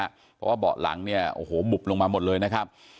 เพราะว่าเบาะหลังเนี่ยโอ้โหบุบลงมาหมดเลยนะครับ